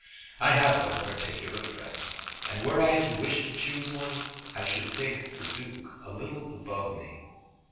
I have no particular friend. And were I to wish to choose one, I should think the Duke a little above me."